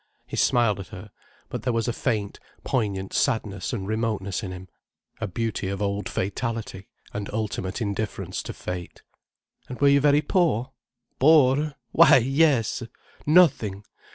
He smiled at her—but there was a faint, poignant sadness and remoteness in him, a beauty of old fatality, and ultimate indifference to fate. "And were you very poor?" "Poor?—why yes! Nothing.